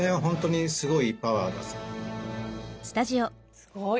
すごい。